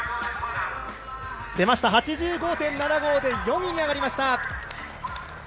出ました、８５．７５で４位に上がりました。